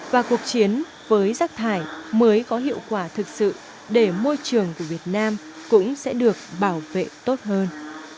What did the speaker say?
và cuộc chiến với rác thải mới có hiệu quả thực sự để môi trường của việt nam cũng sẽ được bảo vệ tốt hơn